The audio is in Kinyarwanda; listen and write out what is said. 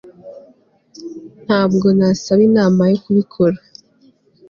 ntabwo nasaba inama yo kubikora